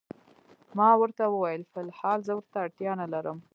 ما ورته وویل: فی الحال زه ورته اړتیا نه لرم.